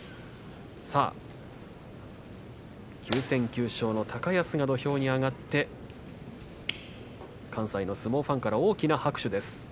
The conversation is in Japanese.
９戦９勝の高安が土俵に上がって関西の相撲ファンから大きな拍手です。